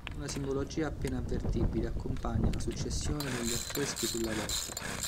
Una simbologia appena avvertibile accompagna la successione degli affreschi sulla volta.